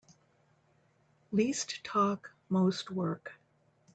Least talk most work.